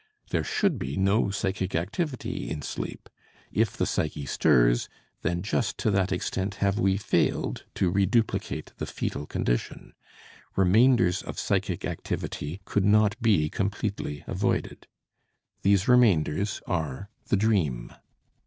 There should be no psychic activity in sleep; if the psyche stirs, then just to that extent have we failed to reduplicate the foetal condition; remainders of psychic activity could not be completely avoided. These remainders are the dream.